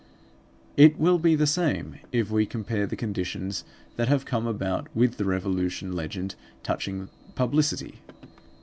It will be the same if we compare the conditions that have come about with the Revolution legend touching publicity.